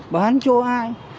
bán cho ai